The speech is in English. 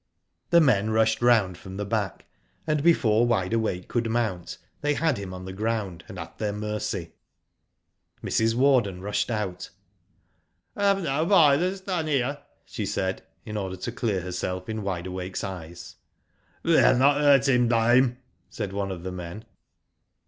" The men rushed round from the back, and before Wide Awake could mount, they had him on the ground, and at their mercy. Mrs. Warden rushed out. "FU have no violence done here," she said, in order to clear herself in Wide Awakens eyes. We'll not hurt him, dame," said one of the men.